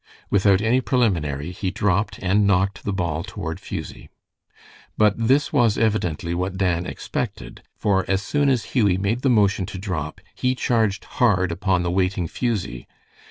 Without any preliminary he dropped, and knocked the ball toward Fusie. But this was evidently what Dan expected, for as soon as Hughie made the motion to drop he charged hard upon the waiting Fusie.